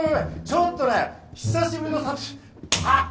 ちょっとね久しぶりのあっ！